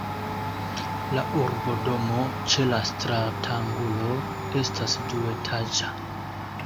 La urbodomo ĉe la stratangulo estas duetaĝa.